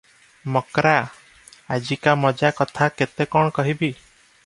ମକ୍ରା! ଅଜିକା ମଜା କଥା କେତେ କ’ଣ କହିବି?